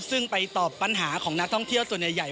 ซึ่งไปตอบปัญหาของนักท่องเที่ยวส่วนใหญ่